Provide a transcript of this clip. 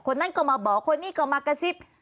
คนนั้นก็มาบอกคนนี้ก็มากระซิบ